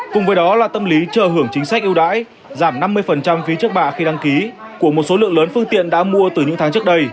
cùng với đó là tâm lý chờ hưởng chính sách ưu đãi giảm năm mươi phí trước bạ khi đăng ký của một số lượng lớn phương tiện đã mua từ những tháng trước đây